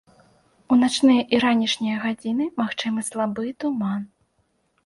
У начныя і ранішнія гадзіны магчымы слабы туман.